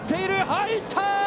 入った！